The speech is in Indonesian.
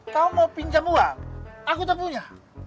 kamu mau pinjam uang aku tak punya